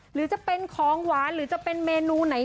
หรือจะเป็นของหวานหรือจะเป็นเมนูไหน